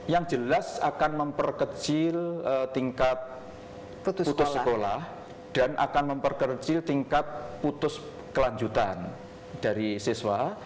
yang jelas akan memperkecil tingkat putus sekolah dan akan memperkecil tingkat putus kelanjutan dari siswa